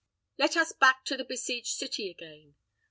Let us back to the besieged city again.